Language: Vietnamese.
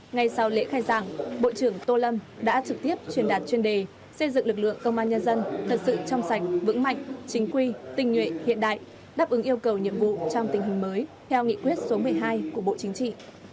ngay sau lễ khai giảng bộ trưởng tô lâm đã trực tiếp truyền đạt chuyên đề xây dựng lực lượng công an nhân dân thật sự trong sạch vững mạnh chính quy tình nguyện hiện đại đáp ứng yêu cầu nhiệm vụ trong tình hình mới theo nghị quyết số một mươi hai của bộ chính trị